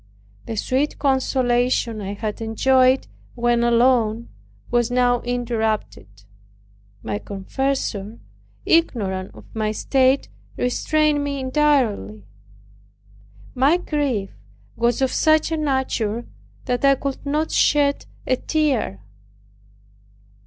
The sweet consolation I had enjoyed, when alone, was now interrupted. My confessor, ignorant of my state, restrained me entirely. My grief was of such a nature that I could not shed a tear.